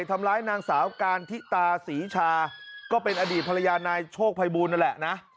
ทำร้ายนางสาวการทิตาศรีชาก็เป็นอดีตภรรยานายโชคภัยบูลนั่นแหละนะ